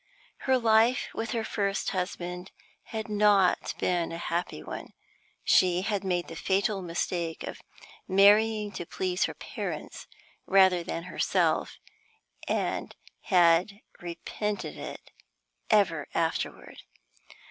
Her life with her first husband had not been a happy one. She had made the fatal mistake of marrying to please her parents rather than herself, and had repented it ever afterward.